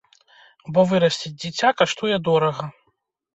Бо вырасціць дзіця каштуе дорага.